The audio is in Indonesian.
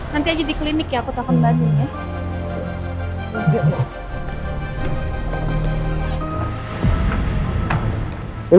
nanti aja di klinik ya aku tau kembali ya